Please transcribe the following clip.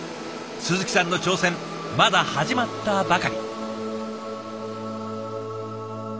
鈴木さんの挑戦まだ始まったばかり。